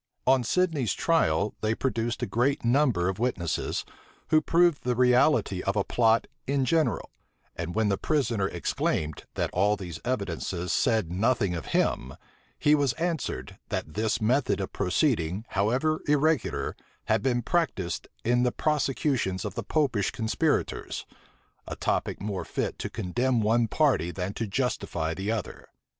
On Sidney's trial, they produced a great number of witnesses, who proved the reality of a plot in general; and when the prisoner exclaimed, that all these evidences said nothing of him, he was answered, that this method of proceeding, however irregular, had been practised in the prosecutions of the Popish conspirators; a topic more fit to condemn one party than to justify the other.